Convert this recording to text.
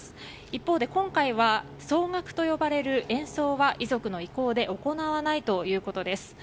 一方で今回は奏楽と呼ばれる演奏は遺族の意向で行わないということです。